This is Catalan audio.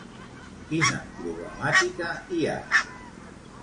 Quina problemàtica hi ha?